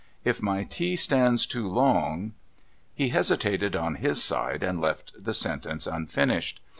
If my tea stands too long ' He hesitated, on his side, and left the sentence unfinished.